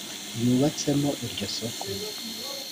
yubatsemo iryo soko